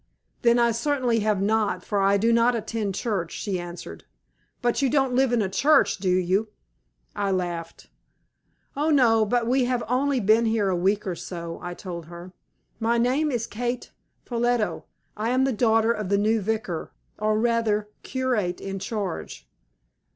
"Then I certainly have not, for I do not attend church," she answered. "But you don't live in church, do you?" I laughed. "Oh, no; but we have only been here a week or so," I told her. "My name is Kate Ffolliot. I am the daughter of the new vicar, or, rather, curate in charge."